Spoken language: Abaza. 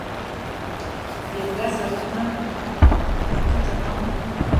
Йъаргаз акыт апны ауагӏа гьабызшвакӏмызтӏ – гвхъауагьи, къарчагьи, датша уагӏахъагьи рылан.